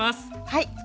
はい。